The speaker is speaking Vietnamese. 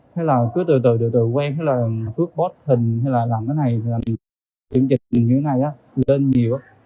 thế là cứ từ từ quen cứ post hình làm cái này làm chương trình như thế này lên nhiều